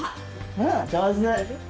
うん上手！